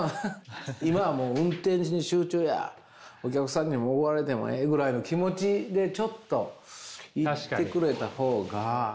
今はもう運転に集中やお客さんに怒られてもええぐらいの気持ちでちょっといってくれた方が。